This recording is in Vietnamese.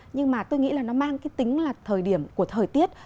nhưng mà tôi nghĩ là nó mang cái tính là thời điểm của thời tiết